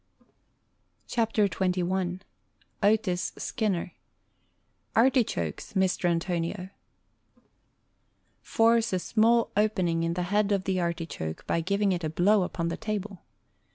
WRITTEN FOR MEN BY MEN XXI Otis Skinner ARTICHOKES, MISTER ANTONIO Force a small opening in the head of the artichoke by giving it a blow upon the table.